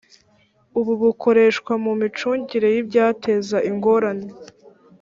ubu bukoreshwa mu micungire y ibyateza ingorane